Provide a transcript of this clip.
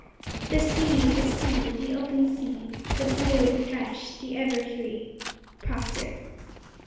"The sea! the sea! the open sea! The blue, the fresh, the ever free!" _Proctor.